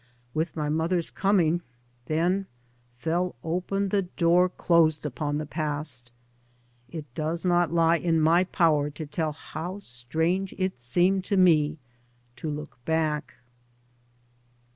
With my mother's coming then fell open the door closed upon the past. It does not lie in my power to tell how strange it seemed to me to look back.